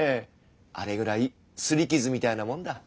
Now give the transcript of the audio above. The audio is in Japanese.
あれぐらい擦り傷みたいなもんだ。